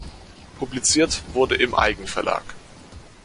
Publiziert wurde im Eigenverlag.